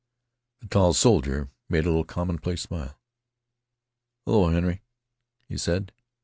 The tall soldier made a little commonplace smile. "Hello, Henry," he said.